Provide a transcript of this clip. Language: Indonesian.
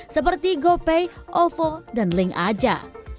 seperti gopay ovo dan link aja